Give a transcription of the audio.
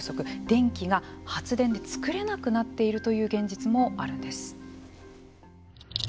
電気が発電でつくれなくなっているという現実もあるんです。